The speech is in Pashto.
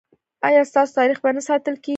ایا ستاسو تاریخ به نه ساتل کیږي؟